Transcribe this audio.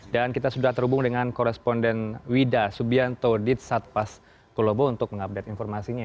dan kita sudah terhubung dengan koresponden wida subianto di satpas kolombo untuk mengupdate informasinya